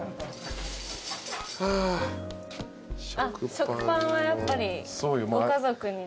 食パンはやっぱりご家族にね。